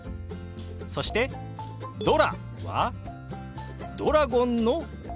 そして「ドラ」はドラゴンの「ドラ」。